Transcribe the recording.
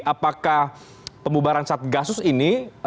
apakah pembubaran saat kasus ini